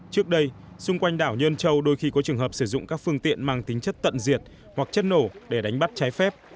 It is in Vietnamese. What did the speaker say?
trước đây xung quanh đảo nhơn châu đôi khi có trường hợp sử dụng các phương tiện mang tính chất tận diệt hoặc chất nổ để đánh bắt trái phép